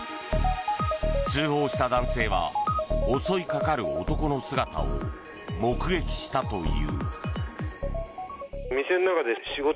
通報した男性は襲いかかる男の姿を目撃したという。